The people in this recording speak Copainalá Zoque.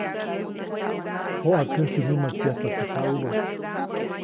Poʼakäsi nyämakyajpa teʼ kaʼubä.